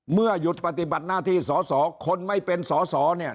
เมื่อหยุดปฏิบัติหน้าที่สอคนไม่เป็นสอนี่